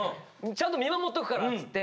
ちゃんと見守っとくから」っつって。